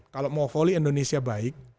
kalau mau voli indonesia baik